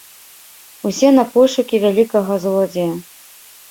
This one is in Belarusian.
Усе на пошукі вялікага злодзея!